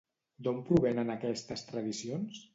D'on provenen aquestes tradicions?